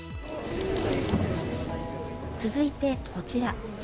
続いてこちら。